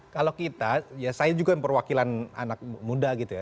kalau kita ya saya juga yang perwakilan anak muda gitu ya